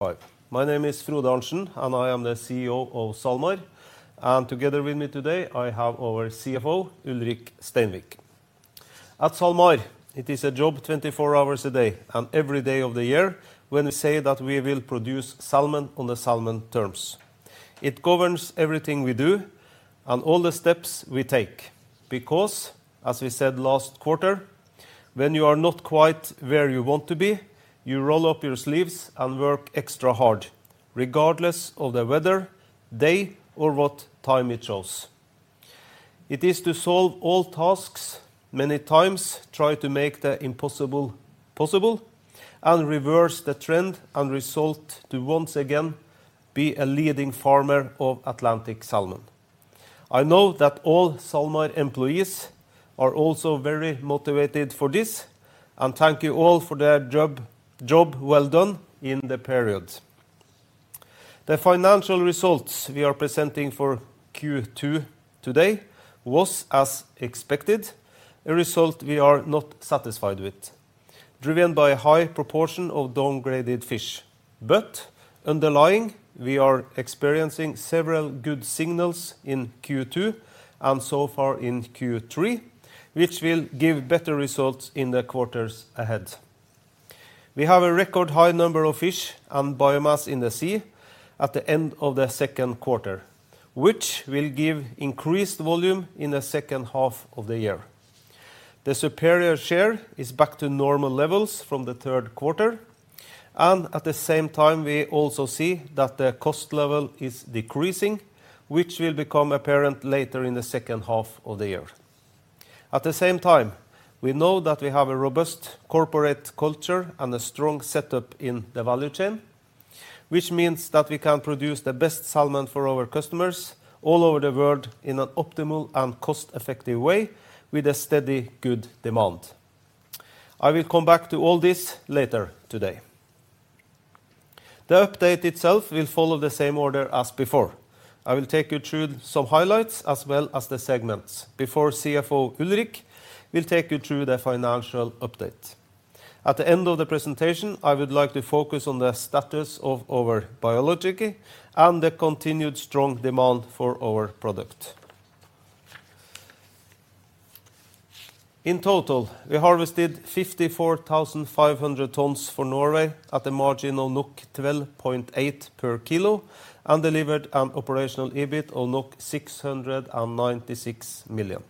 Hi, my name is Frode Arntsen and I am the CEO of SalMar and together with me today I have our CFO Ulrik Steinvik at SalMar. It is a job 24 hours a day and every day of the year. When we say that we will produce salmon on the salmon terms, it governs everything we do and all the steps we take because as we said last quarter, when you are not quite where you want to be, you roll up your sleeves and work extra hard regardless of the weather, day or what time it chose. It is to solve all tasks many times, try to make the impossible possible and reverse the trend and result to once again be a leading farmer of Atlantic salmon. I know that all SalMar employees are also very motivated for this and thank you all for their job. Job well done in the period. The financial results we are presenting for Q2 today was as expected, a result we are not satisfied with. Driven by a high proportion of downgraded fish, but underlying we are experiencing several good signals in Q2 and so far in Q3 which will give better results in the quarters ahead. We have a record high number of fish and biomass in the sea at the end of the second quarter which will give increased volume in the second half of the year. The superior share is back to normal levels from the third quarter and at the same time we also see that the cost level is decreasing which will become apparent later in the second half of the year. At the same time we know that we have a robust corporate culture and a strong setup in the value chain which means that we can produce the best salmon for our customers all over the world in an optimal and cost effective way with a steady good demand. I will come back to all this later today. The update itself will follow the same order as before. I will take you through some highlights as well as the segments before. CFO Ulrik will take you through the financial update at the end of the presentation. I would like to focus on the status of our biologiki and the continued strong demand for our product. In total we harvested 54,500 tonnes for Norway at a margin of 12.8 per kilo and delivered an operational EBIT of 696 million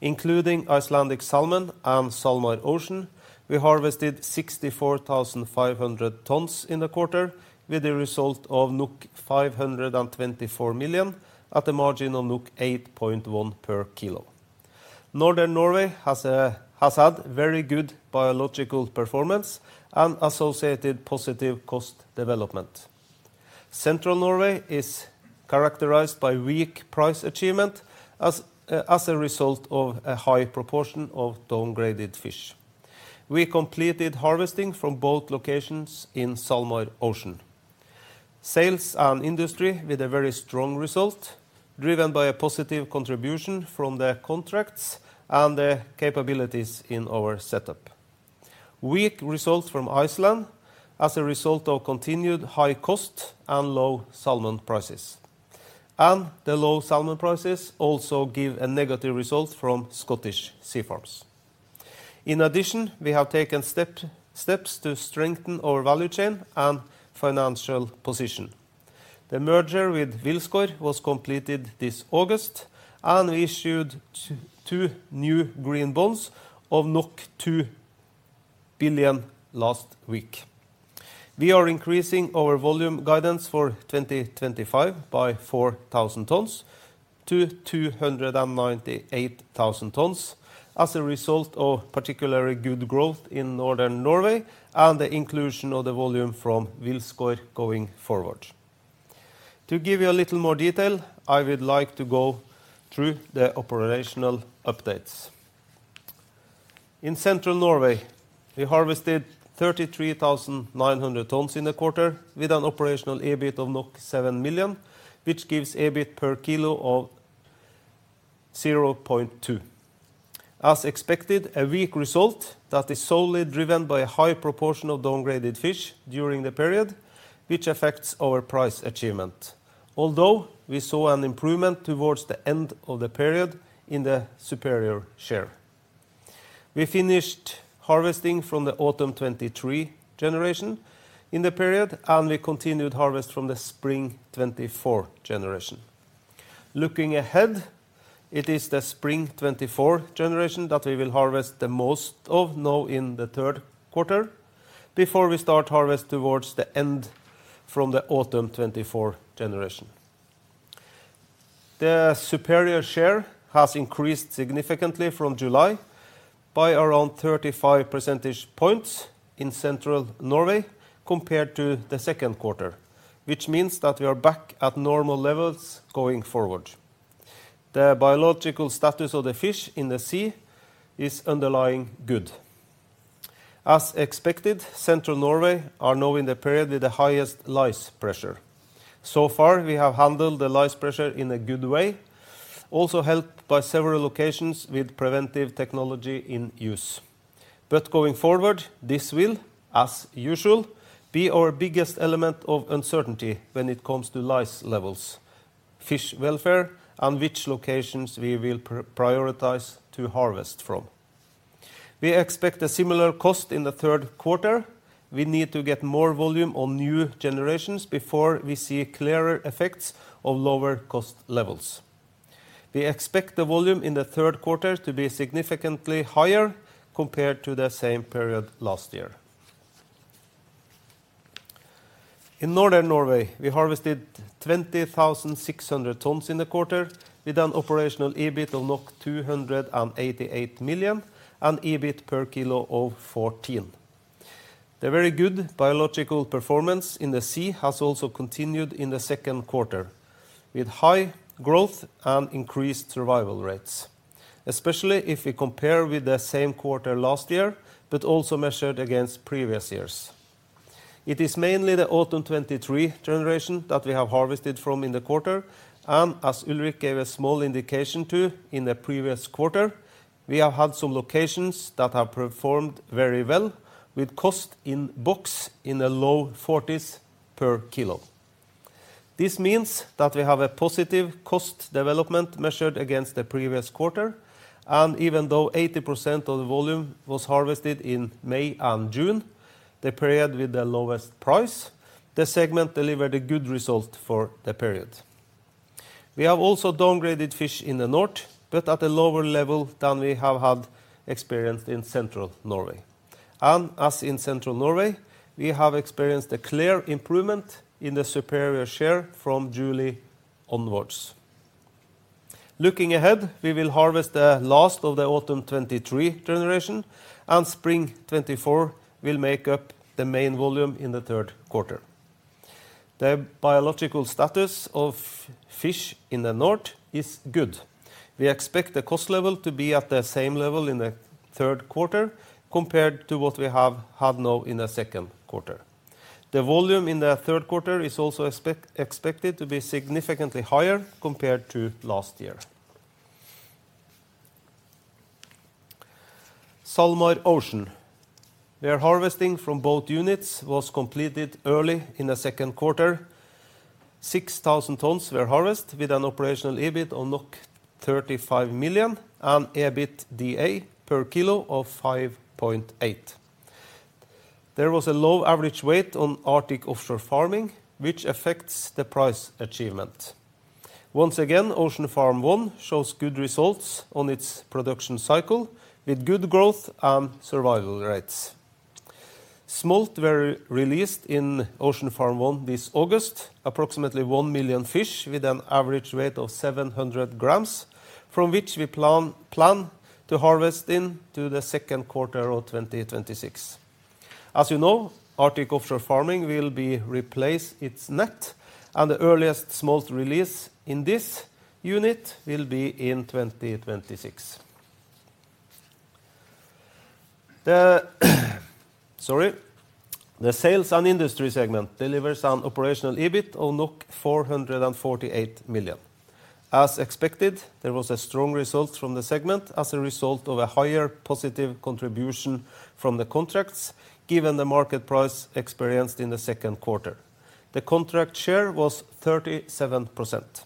including Icelandic salmon and Salmon Ocean. We harvested 64,500 tonnes in a quarter with the result of 524 million at a margin of 8.1 per kilo. Northern Norway has had very good biological performance and associated positive cost development. Central Norway is characterized by weak price achievement as a result of a high proportion of downgraded fish. We completed harvesting from both locations in SalMar. Ocean sales are an industry with a very strong result driven by a positive contribution from the contracts and the capabilities in our setup. Weak results from Iceland as a result of continued high cost and low salmon prices, and the low settlement prices also give a negative result from Scottish Seafarms. In addition, we have taken steps to strengthen our value chain and financial position. The merger with Wilsgård AS was completed this August and we issued two new green bonds of 2 billion last week. We are increasing our volume guidance for 2025 by 4,000 tonnes to 298,000 tonnes as a result of particularly good growth in Northern Norway and the inclusion of the volume from Wilsgård going forward. To give you a little more detail, I would like to go through the operational updates. In Central Norway, we harvested 33,900 tonnes in the quarter with an operational EBIT of 7 million, which gives EBIT per kilo of 0.2. As expected, a weak result that is solely driven by a high proportion of downgraded fish during the period, which affects our price achievement. Although we saw an improvement towards the end of the period in the superior share, we finished harvesting from the autumn 2023 generation in the period and we continued harvest from the spring 2024 generation. Looking ahead, it is the spring 2024 generation that we will harvest the most of now in the third quarter before we start harvest towards the end from the autumn 2024 generation. The superior share has increased significantly from July by around 35 percentage points in Central Norway compared to the second quarter, which means that we are back at normal levels going forward. The biological status of the fish in the sea is underlying good. As expected, Central Norway is now in the period with the highest lice pressure. So far, we have handled the lice pressure in a good way, also helped by several locations with preventive technology in use. Going forward, this will as usual be our biggest element of uncertainty when it comes to lice levels, fish welfare, and which locations we will prioritize to harvest from. We expect a similar cost in the third quarter. We need to get more volume on new generations before we see clearer effects of loss. Lower cost levels. We expect the volume in the third quarter to be significantly higher compared to the same period last year. In Northern Norway, we harvested 20,600 tonnes in the quarter with an operational EBIT of 288 million and EBIT per kilo of 14. The very good biological performance in the sea has also continued in the second quarter with high growth and increased survival rates, especially if we compare with the same quarter last year, but also measured against previous years. It is mainly the autumn 2023 generation that we have harvested from in the quarter, and as Ulrik gave a small indication to in the previous quarter, we have had some locations that have performed very well with cost in books in the low 40s per kilo. This means that we have a positive cost development measured against the previous quarter. Even though 80% of the volume was harvested in May and June, the period with the lowest price, the segment delivered a good result for the period. We have also downgraded fish in the north, but at a lower level than we have had experience in Central Norway. As in Central Norway, we have experienced a clear improvement in the superior share from July onwards. Looking ahead, we will harvest the last of the autumn 2023 generation, and spring 2024 will make up the main volume in the third quarter. The biological status of fish in the north is good. We expect the cost level to be at the same level in the third quarter compared to what we have now in the second quarter. The volume in the third quarter is also expected to be significantly higher compared to last year. SalMar Ocean, their harvesting from both units was completed early in the second quarter. 6,000 tonnes were harvested with an operational EBIT of 35 million and EBITDA per kilo of 5.8. There was a low average weight on Arctic Offshore Farming, which affects the price achievement. Once again, Ocean Farm 1 shows good results on its production cycle with good growth and survival rates. Smolt were released in Ocean Farm 1 this August. Approximately 1 million fish with an average weight of 700 gm from which we plan to harvest into the second quarter of 2026. As you know, Arctic Offshore Farming will replace its net, and the earliest smolt release in this unit will be in 2026. The sales and industry segment delivers an operational EBIT of 448 million. As expected, there was a strong result from the segment as a result of a higher positive contribution from the contracts. Given the market price experienced in the second quarter, the contract share was 37%.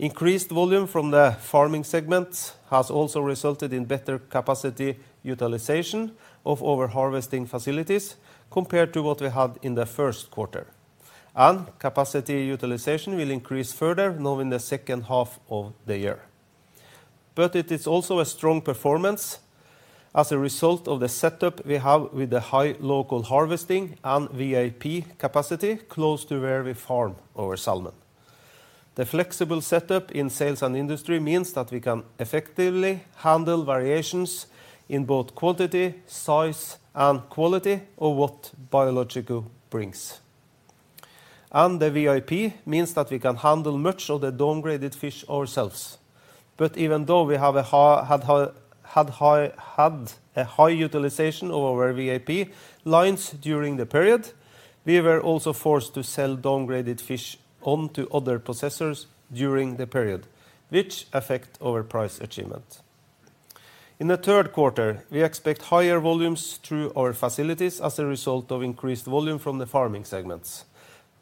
Increased volume from the farming segments has also resulted in better capacity utilization of our harvesting facilities compared to what we had in the first quarter, and capacity utilization will increase further now in the second half of the year. It is also a strong performance as a result of the setup we have with the high local harvesting and VIP capacity close to where we farm our salmon. The flexible setup in sales and industry means that we can effectively handle variations in both quantity, size, and quality or what biological brings. The VIP means that we can handle much of the downgraded fish ourselves. Even though we had a high utilization of our VIP lines during the period, we were also forced to sell downgraded fish onto other processors during the period, which affects our price achievement. In the third quarter, we expect higher volumes through our facilities as a result of increased volume from the farming segments.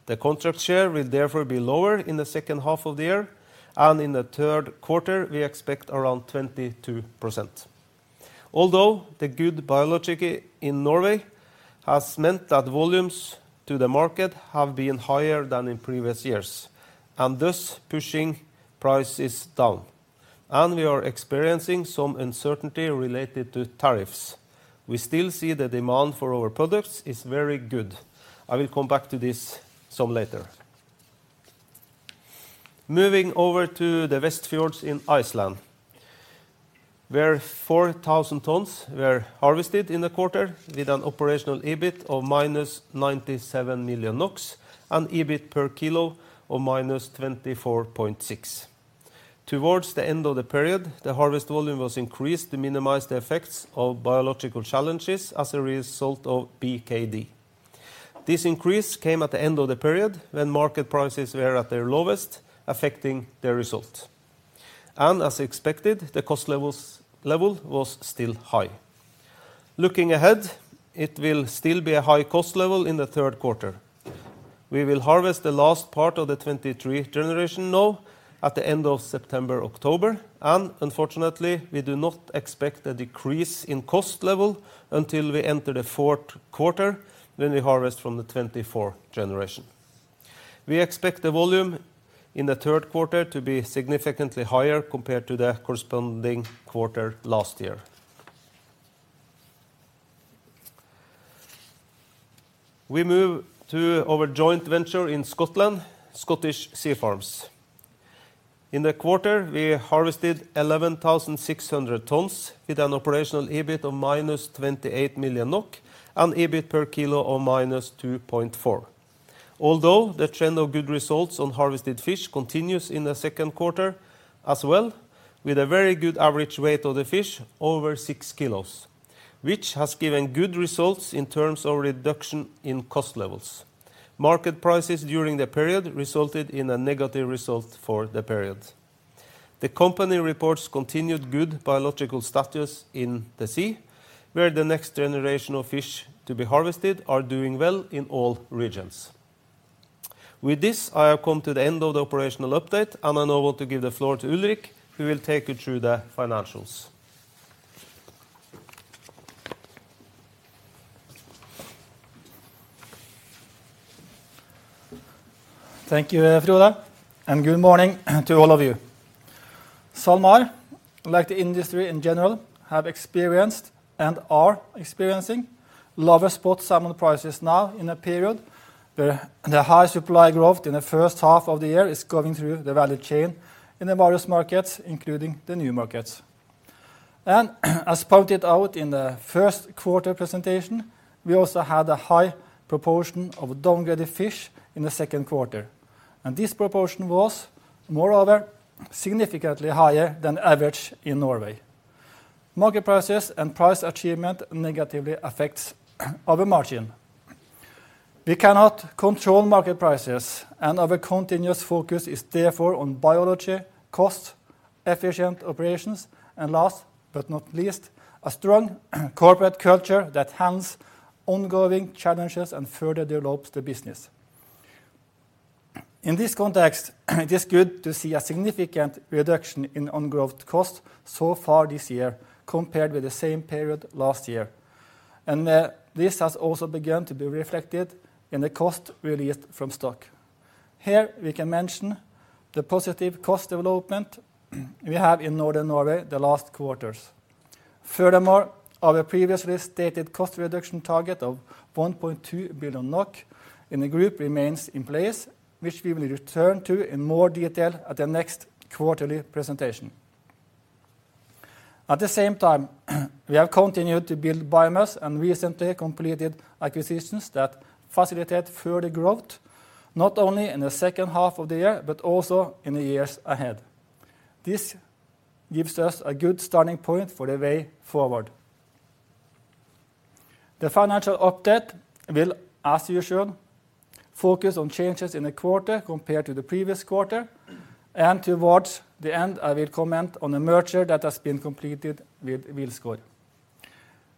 The contract share will therefore be lower in the second half of the year, and in the third quarter we expect around 22%. Although the good biology in Norway has meant that volumes to the market have been higher than in previous years and thus pushing prices down, and we are experiencing some uncertainty related to tariffs, we still see the demand for our products is very good. I will come back to this some later. Moving over to the Westfjords in Iceland, where 4,000 tons were harvested in the quarter with an operational EBIT of -97 million NOK, an EBIT per kilo of -24.6. Towards the end of the period, the harvest volume was increased to minimize the effects of biological challenges as a result of BKD. This increase came at the end of the period when market prices were at their lowest, affecting the result, and as expected, the cost level was still high. Looking ahead, it will still be a high cost level in the third quarter. We will harvest the last part of the 2023 generation now at the end of September and October, and unfortunately we do not expect a decrease in cost level until we enter the fourth quarter. When we harvest from the 2024 generation, we expect the volume in the third quarter to be significantly higher compared to the corresponding quarter last year. We move to our joint venture in Scotland, Scottish Seafarms. In the quarter we harvested 11,600 tonnes with an operational EBIT of -28 million NOK and EBIT per kilo of -2.4 million. Although the trend of good results on harvested fish continues in the second quarter as well, with a very good average weight of the fish over 6 kg which has given good results in terms of reduction in cost levels, market prices during the period resulted in a negative result for the period. The company reports continued good biological status in the sea where the next generation of fish to be harvested are doing well in all regions. With this I have come to the end of the operational update and I now want to give the floor to Ulrik who will take you through the financials. Thank you, Evrila, and good morning to all of you. SalMar, like the industry in general, have experienced and are experiencing lower spot salmon prices now in a period where the high supply growth in the first half of the year is going through the value chain in the various markets, including the new markets. As pointed out in the first quarter presentation, we also had a high proportion of downgraded fish in the second quarter, and this proportion was moreover significantly higher than average in Norway. Market prices and price achievement negatively affect our margin. We cannot control market prices, and our continuous focus is therefore on biology, cost-efficient operations, and last but not least, a strong corporate culture that handles ongoing challenges and further develops the business. In this context, it is good to see a significant reduction in on-growth costs so far this year compared with the same period last year, and this has also begun to be reflected in the cost released from stock. Here we can mention the positive cost development we have in Northern Norway the last quarters. Furthermore, our previously stated cost reduction target of 1.2 billion NOK in the group remains in place, which we will return to in more detail at the next quarterly presentation. At the same time, we have continued to build biomass and recently completed acquisitions that facilitate further growth not only in the second half of the year but also in the years ahead. This gives us a good starting point for the way forward. The financial update will as usual focus on changes in a quarter compared to the previous quarter, and towards the end I will comment on a merger that has been completed with Wilsgård.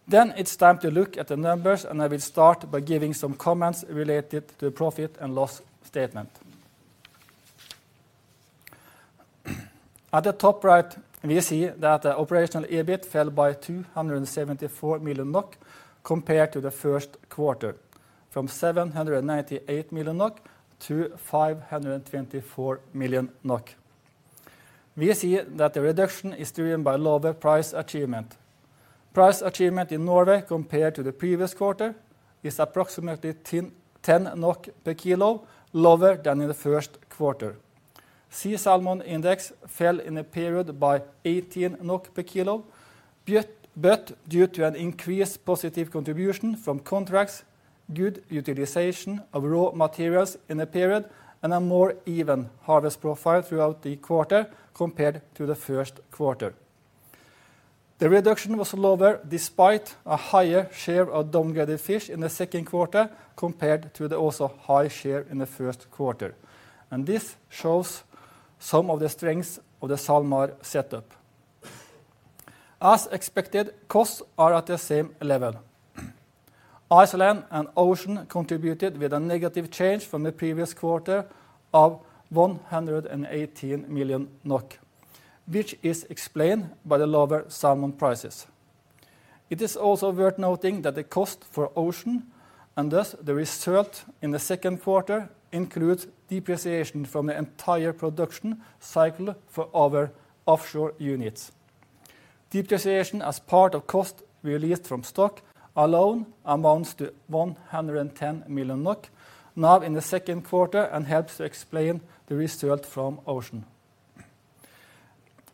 It is time to look at the numbers, and I will start by giving some comments related to the profit and loss statement. At the top right, we see that the operational EBIT fell by 274 million NOK compared to the first quarter, from 798 million NOK to 524 million NOK. We see that the reduction is driven by lower price achievement. Price achievement in Norway compared to the previous quarter is approximately 10 NOK per kilo lower than in the first quarter. Sea salmon index fell in a period by 18 NOK per kilo, but due to an increased positive contribution from contracts, good utilization of raw materials in the period, and a more even harvest profile throughout the quarter compared to the first quarter, the reduction was lower despite a higher share of downgraded fish in the second quarter compared to the also high share in the first quarter, and this shows some of the strength of the SalMar setup. As expected, costs are at the same level. Iceland and Ocean contributed with a negative change from the previous quarter of 118 million NOK, which is explained by the lower salmon prices. It is also worth noting that the cost for Ocean and thus the result in the second quarter includes depreciation from the entire production cycle. For other offshore units, depreciation as part of cost released from stock alone amounts to 110 million NOK now in the second quarter and helps to explain the result from Ocean.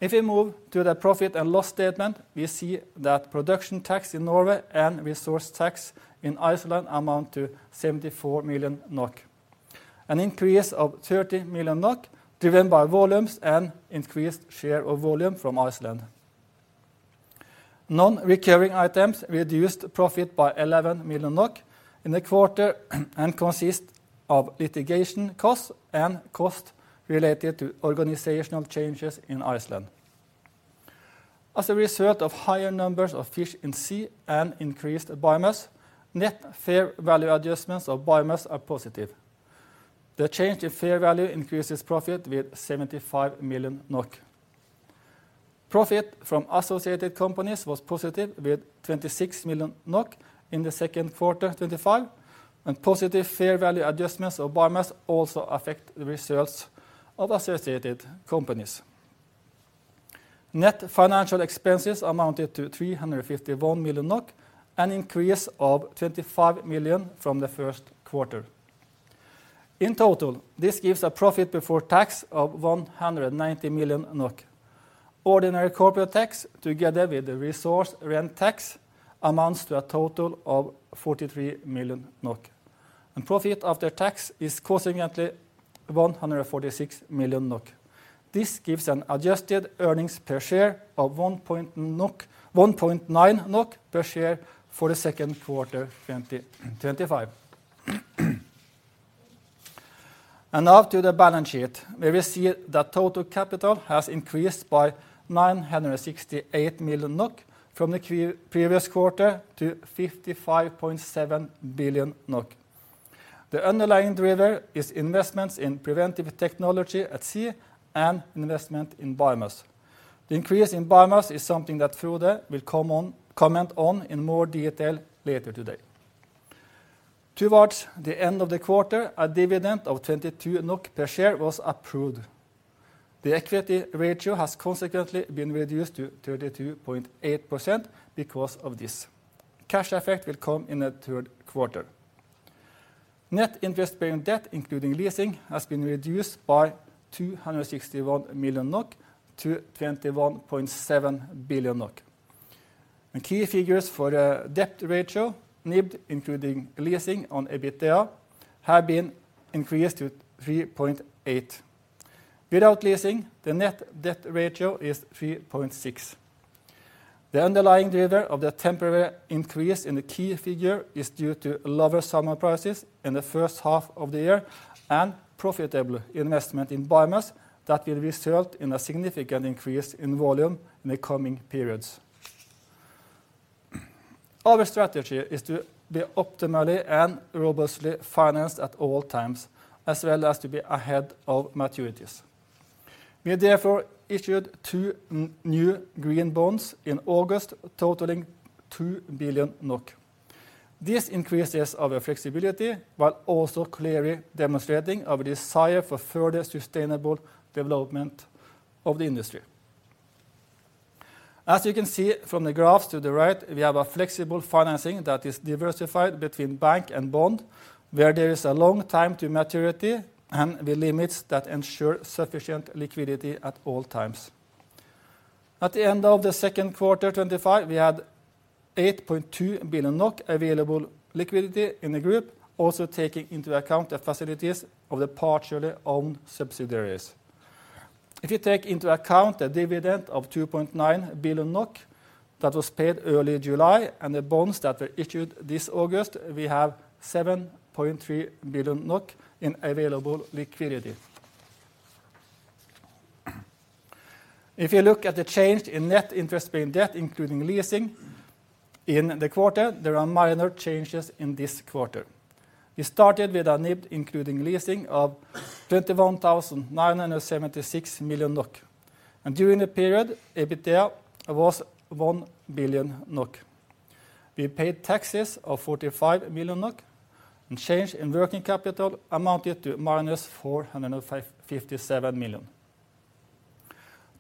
If we move to the profit and loss statement, we see that production tax in Norway and resource tax in Iceland amount to 74 million NOK, an increase of 30 million NOK driven by volumes and increased share of volume from Iceland. Non-recurring items reduced profit by 11 million NOK in the quarter and consist of litigation costs and costs related to organizational changes in Iceland as a result of higher numbers of fish in sea and increased biomass. Net fair value adjustments of biomass are positive. The change in fair value increases profit with 75 million NOK. Profit from associated companies was positive with 26 million NOK in Q2, and positive fair value adjustments of biomass also affect the results of associated companies. Net financial expenses amounted to 351 million NOK, an increase of 25 million from the first quarter. In total, this gives a profit before tax of 190 million NOK. Ordinary corporate tax together with the resource rent tax amounts to a total of 43 million NOK, and profit after tax is consequently 146 million NOK. This gives an adjusted earnings per share of 1.9 NOK per share for the second quarter 2025, and now to the balance sheet. We will see that total capital has increased by 968 million NOK from the previous quarter to 55.7 billion NOK. The underlying driver is investments in preventive technology at sea and investment in biomass. Increase in biomass is something that Frode will comment on in more detail later today. Towards the end of the quarter, a dividend of 22 NOK per share was approved. The equity ratio has consequently been reduced to 32.8%. Because of this, cash effect will come in the third quarter. Net interest-bearing debt including leasing has been reduced by 261 million NOK to 21.7 billion NOK. Key figures for the debt ratio NIB including leasing on EBITDA have been increased to 3.8. Without leasing, the net debt ratio is 3.6. The underlying driver of the temporary increase in the key figure is due to lower summer prices in the first half of the year and profitable investment in biomass that will result in a significant increase in volume in the coming periods. Our strategy is to be optimally and robustly financed at all times as well as to be ahead of maturities. We therefore issued two new green bonds in August totaling 2 billion NOK. This increases our flexibility while also clearly demonstrating our desire for further sustainable development of the industry. As you can see from the graphs to the right, we have a flexible financing that is diversified between bank and bond where there is a long time to maturity and with limits that ensure sufficient liquidity at all times. At the end of 2Q25 we had 8.2 billion NOK available liquidity in the group, also taking into account the facilities of the partially owned subsidiaries. If you take into account the dividend of 2.9 billion NOK that was paid early July and the bonds that were issued this August, we have 7.3 billion NOK in available liquidity. If you look at the change in net interest-bearing debt including leasing in the quarter, there are minor changes. In this quarter we started with a need including leasing of 21,976 million NOK and during the period EBITDA was 1 billion NOK. We paid taxes of 45 million NOK. Change in working capital amounted to -457 million.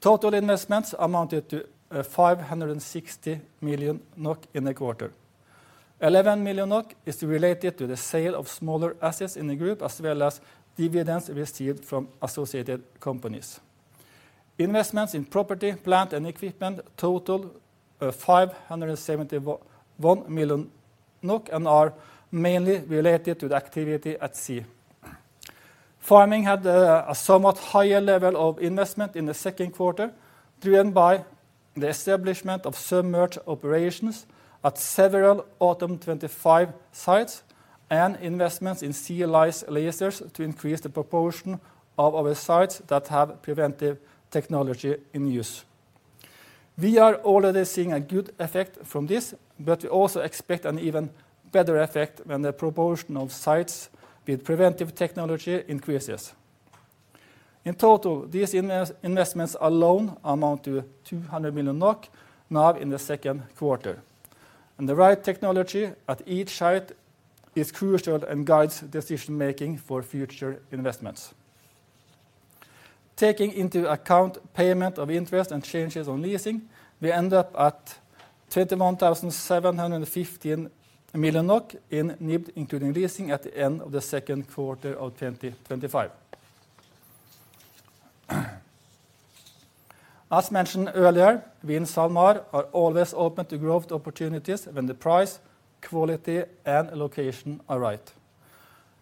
Total investments amounted to 560 million NOK in a quarter. 11 million NOK is related to the sale of smaller assets in the group as well as dividends received from associated companies. Investments in property, plant and equipment totaled 571 million NOK and are mainly related to the activity at sea. Farming had a somewhat higher level of investment in the second quarter driven by the establishment of submerged operations at several autumn 2025 sites and investments in CLI lasers to increase the proportion of our sites that have preventive technology in use. We are already seeing a good effect from this, but we also expect an even better effect when the proportion of sites with preventive technology increases. In total, these investments alone amount to 200 million NOK now in the second quarter, and the right technology at each site is crucial and guides decision making for future investments. Taking into account payment of interest and changes on leasing, we end up at 21,715 million in NIB including leasing at the end of the second quarter of 2025. As mentioned earlier, we in SalMar are always open to growth opportunities when the price, quality, and location are right.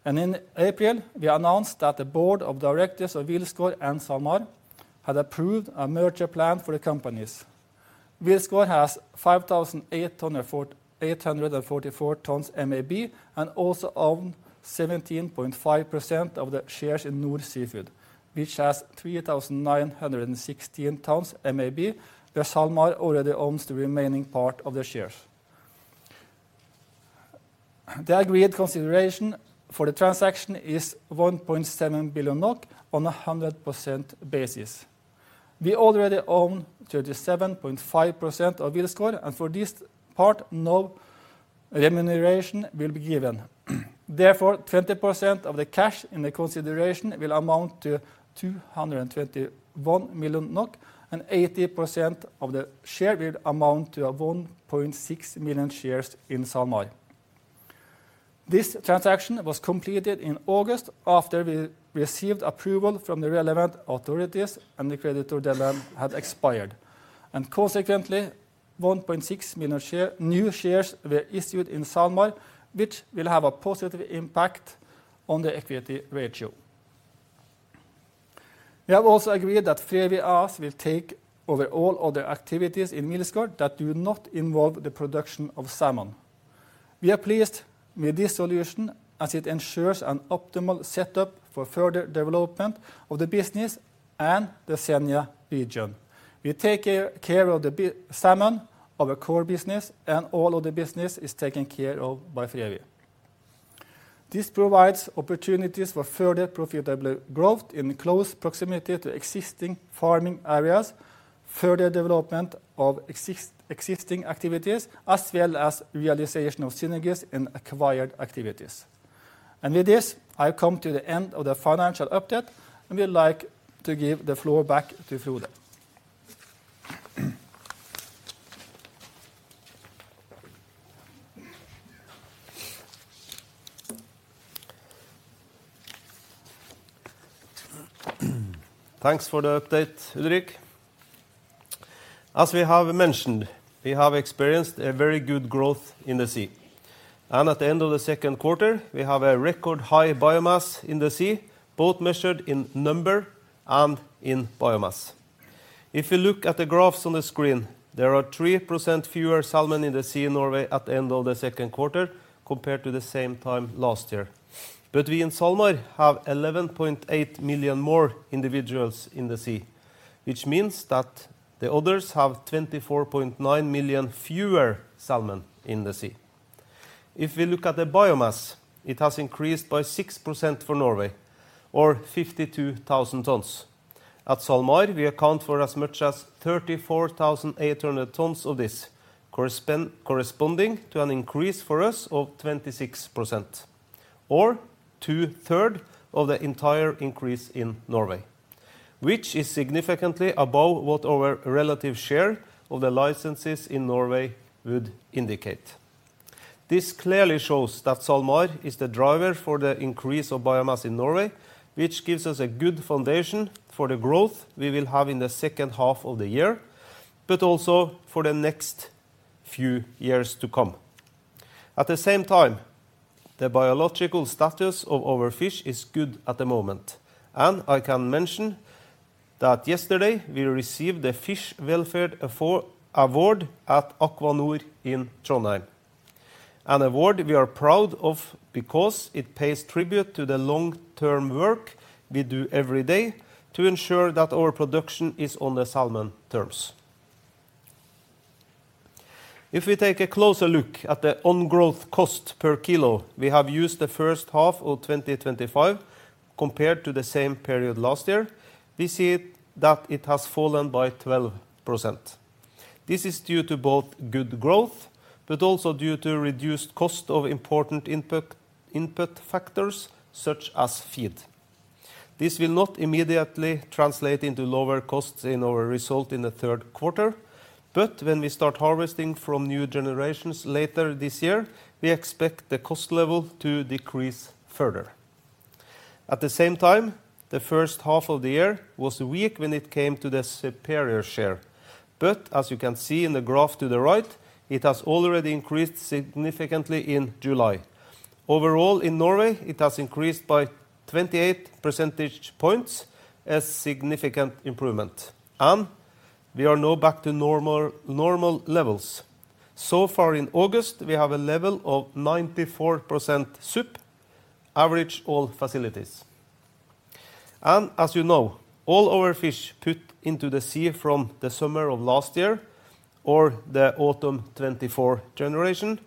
In April, we announced that the Board of Directors of Wilsgård and SalMar had approved a merger plan for the companies. Wilsgård has 5,844 tonnes MAB and also owned 17.5% of the shares in Norway sea food which has 3,916 tonnes where SalMar already owns the remaining part of their shares. The agreed consideration for the transaction is 1.7 billion NOK on a 100% basis. We already own 37.5% of Wilsgård and for this part no remuneration will be given. Therefore, 20% of the cash in the consideration will amount to 221 million NOK and 80% of the share will amount to 1.6 million shares in SalMar. This transaction was completed in August after we received approval from the relevant authorities and the creditor demand had expired, and consequently 1.6 million new shares were issued in SalMar which will have a positive impact on the equity ratio. We have also agreed that Wilsgård will take over all other activities in Wilsgård that do not involve the production of salmon. We are pleased with this solution as it ensures an optimal setup for further development of the business and the Senja region. We take care of the salmon, our core business, and all of the business is taken care of by Wilsgård. This provides opportunities for further profitable growth in close proximity to existing farming areas, further development of existing activities as well as realization of synergies in acquired activities. With this, I've come to the end of the financial update and would like to give the floor back to Frode. Thanks for the update. As we have mentioned, we have experienced a very good growth in the sea and at the end of the second quarter we have a record high biomass in the sea, both measured in number and in biomass. If you look at the graphs on the screen, there are 3% fewer salmon in the sea in Norway at the end of the second quarter compared to the same time last year. We in SalMar have 11.8 million more individuals in the sea, which means that the others have 24.9 million fewer salmon in the sea. If we look at the biomass, it has increased by 6% for Norway or 52,000 tonnes. At SalMar, we account for as much as 34,800 tonnes of this, corresponding to an increase for us of 26% or two-thirds of the entire increase in Norway, which is significantly above what our relative share of the licenses in Norway would indicate. This clearly shows that SalMar is the driver for the increase of biomass in Norway, which gives us a good foundation for the growth we will have in the second half of the year, but also for the next few years to come. At the same time, the biological status of our fish is good at the moment and I can mention that yesterday we received the Fish Welfare award at Aqua Nor in Trondheim. An award we are proud of because it pays tribute to the long-term work we do every day to ensure that our production is on the salmon's terms. If we take a closer look at the on-growth cost per kilo we have used the first half of 2025. Compared to the same period last year, we see that it has fallen by 12%. This is due to both good growth but also due to reduced cost of important input factors such as feed. This will not immediately translate into lower costs in our result in the third quarter, but when we start harvesting from new generations later this year, we expect the cost level to decrease further. The first half of the year was weak when it came to the superior share. As you can see in the graph to the right, it has already increased significantly in July. Overall in Norway, it has increased by 28% points, a significant improvement. We are now back to normal levels. So far in August, we have a level of 94% superior average across all facilities and as you know, all our fish put into the sea from the summer of last year or the autumn 2024 generation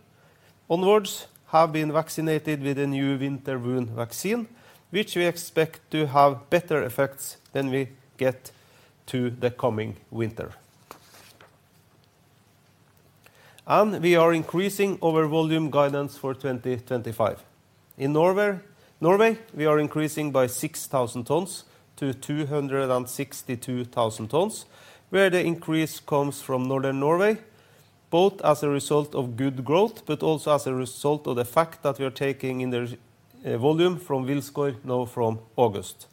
onwards have been vaccinated with a new winter wound vaccine which we expect to have better effects when we get to the coming winter. We are increasing our volume guidance for 2025. In Norway we are increasing by 6,000 tonnes to 262,000 tonnes. The increase comes from Northern Norway, both as a result of good growth but also as a result of the fact that we are taking in volume from Wilsgård. Now from August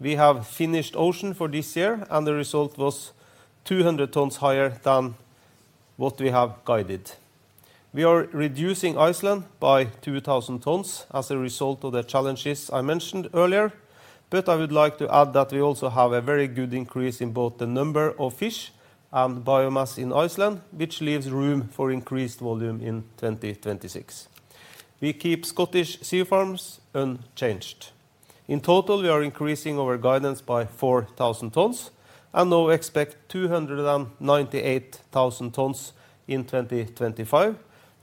we have finished ocean for this year and the result was 200 tonnes higher than what we have guided. We are reducing Iceland by 2,000 tonnes as a result of the challenges I mentioned earlier. I would like to add that we also have a very good increase in both the number of fish and biomass in Iceland, which leaves room for increased volume. In 2026 we keep Scottish Seafarms unchanged. In total we are increasing our guidance by 4,000 tonnes and now expect 298,000 tonnes in 2025,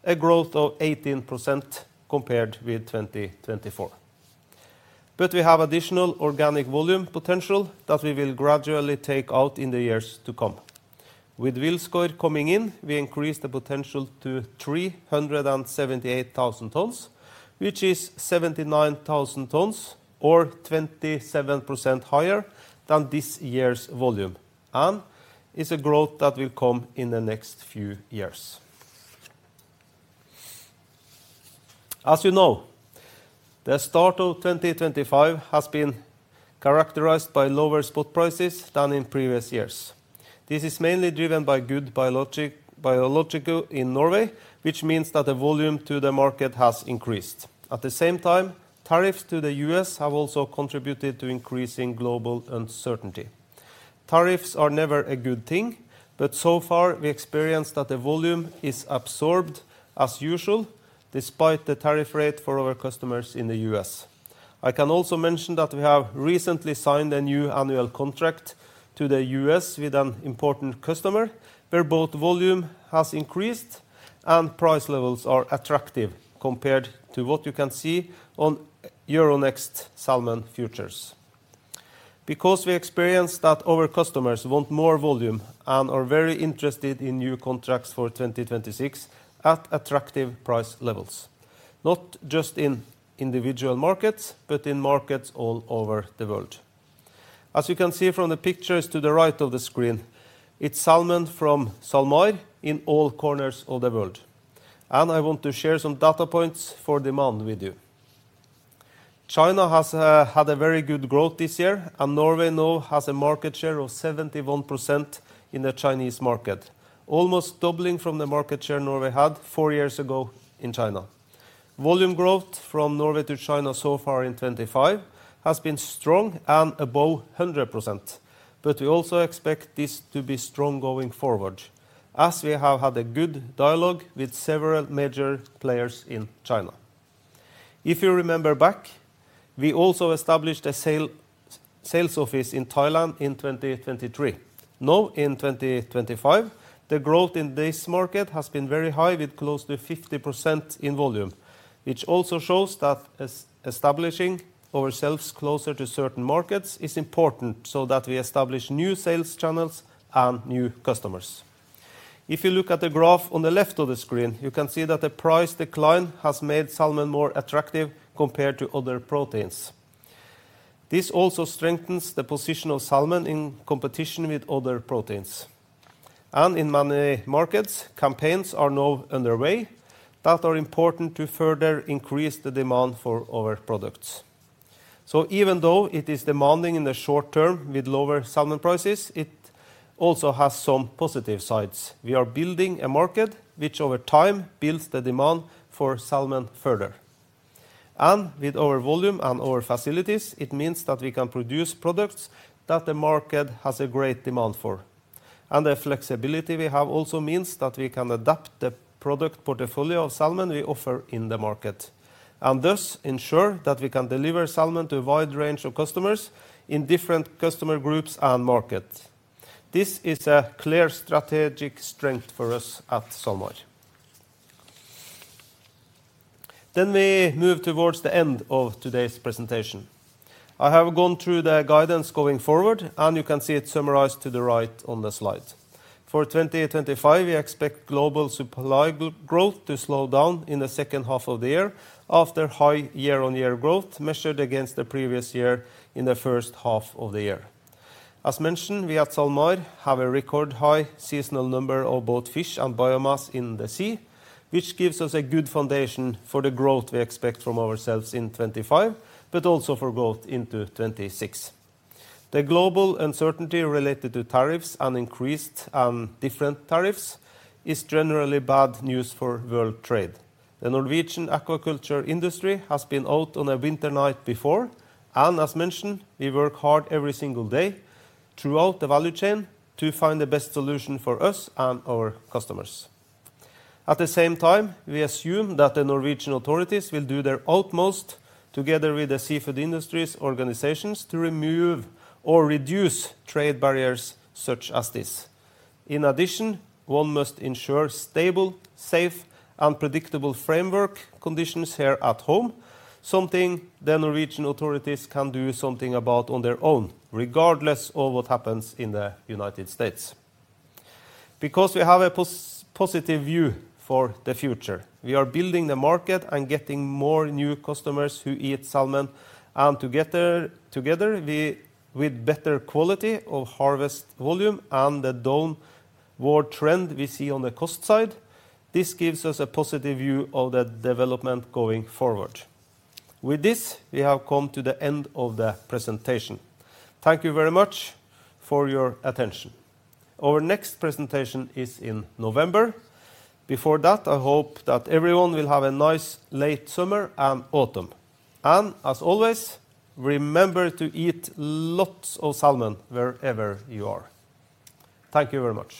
a growth of 18% compared with 2024. We have additional organic volume potential that we will gradually take out in the years to come. With Wilsgård coming in, we increased the potential to 378,000 tonnes, which is 79,000 tonnes or 27% higher than this year's volume and is a growth that will come in the next few years. As you know, the start of 2025 has been characterized by lower spot salmon prices than in previous years. This is mainly driven by good biological in Norway, which means that the volume to the market has increased. At the same time, tariffs to the U.S. have also contributed to increasing global uncertainty. Tariffs are never a good thing, but so far we experienced that the volume is absorbed as usual despite the tariff rate for our customers in the U.S. I can also mention that we have recently signed a new annual contract to the U.S. with an important customer where both volume has increased and price levels are attractive compared to what you can see on Euronext Salmon Futures because we experienced that our customers want more volume and are very interested in new contracts for 2026 at attractive price levels not just in individual markets, but in markets all over the world. As you can see from the pictures to the right of the screen, it's salmon from SalMar in all corners of the world and I want to share some data points for demand with you. China has had a very good growth this year and Norway now has a market share of 71% in the Chinese market, almost doubling from the market share Norway had four years ago. In China, volume growth from Norway to China so far in 2025 has been strong and above 100%. We also expect this to be strong going forward as we have had a good dialogue with several major players in China. If you remember back, we also established a sales office in Thailand in 2023. Now in 2025 the growth in this market has been very high with close to 50% in volume, which shows that establishing ourselves closer to certain markets is important so that we establish new sales channels and new customers. If you look at the graph on the left of the screen, you can see that the price decline has made salmon more attractive compared to other proteins. This also strengthens the position of salmon in competition with other proteins. In many markets, campaigns are now underway that are important to further increase the demand for our products. Even though it is demanding in the short term with lower salmon prices, it also has some positive sides. We are building a market which over time builds the demand for salmon further. With our volume and our facilities, it means that we can produce products that the market has a great demand for. The flexibility we have also means that we can adapt the product portfolio of salmon we offer in the market and thus ensure that we can deliver salmon to a wide range of customers in different customer groups and markets. This is a clear strategic strength for us at SalMar. As we move towards the end of today's presentation, I have gone through the guidance going forward and you can see it summarized to the right on the slide. For 2025 we expect global supply growth to slow down in the second half of the year after high year-on-year growth measured against the previous year in the first half of the year. As mentioned, we at SalMar have a record high seasonal number of both fish and biomass in the sea, which gives us a good foundation for the growth we expect from ourselves in 2025, but also for growth into 2026. The global uncertainty related to tariffs and increased and different tariffs is generally bad news for world trade. The Norwegian aquaculture industry has been out on a winter night before and as mentioned, we work hard every single day throughout the value chain to find the best solution for us and our customers. At the same time we assume that the Norwegian authorities will do their utmost together with the seafood industries organizations to remove or reduce trade barriers such as this. In addition, one must ensure stable, safe and predictable framework conditions here at home. This is something the Norwegian authorities can do on their own regardless of what happens in the U.S. Because we have a positive view for the future, we are building the market and getting more new customers who eat salmon, and together with better quality of harvest volume and the downward trend we see on the cost side, this gives us a positive view of the development going forward. With this, we have come to the end of the presentation. Thank you very much for your attention. Our next presentation is in November. Before that, I hope that everyone will have a nice late summer and autumn, and as always, remember to eat lots of salmon wherever you are. Thank you very much.